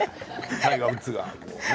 タイガー・ウッズ。